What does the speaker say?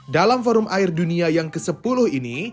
dalam forum air dunia yang ke sepuluh ini